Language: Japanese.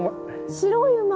白い馬。